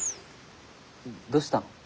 どうしたの？